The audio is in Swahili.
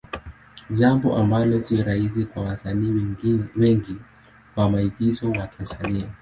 Jambo ambalo sio rahisi kwa wasanii wengi wa maigizo wa Tanzania.